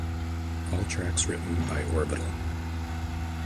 All tracks written by Orbital.